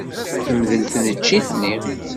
Temdel tneččit-nni.